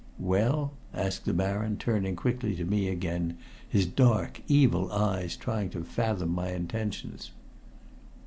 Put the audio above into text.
"Well?" asked the Baron, turning quickly to me again, his dark, evil eyes trying to fathom my intentions.